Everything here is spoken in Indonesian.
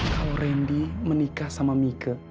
kalau randy menikah sama mika